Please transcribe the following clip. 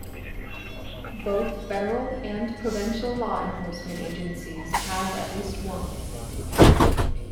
Both federal and provincial law enforcement agencies have at least one.